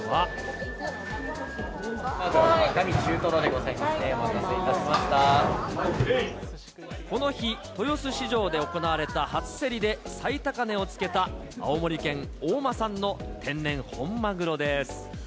赤身中トロでございますね、この日、豊洲市場で行われた初競りで、最高値をつけた青森県大間産の天然本マグロです。